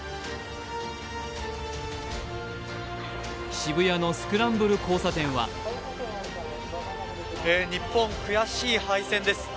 渋谷のスクランブル交差点は日本、悔しい敗戦です。